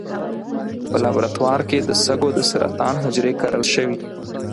په لابراتوار کې د سږو د سرطان حجرې کرل شوي.